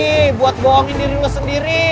lo buat boongin diri lo sendiri